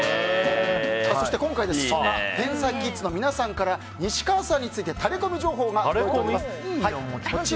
そして今回そんな天才キッズの皆さんから西川さんについてタレコミ情報が届いています。